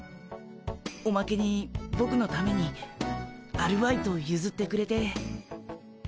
おまけにボクのためにアルバイトをゆずってくれて。